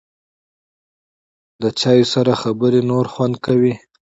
له چای سره خبرې نور خوند کوي.